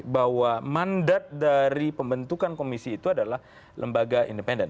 bahwa mandat dari pembentukan komisi itu adalah lembaga independen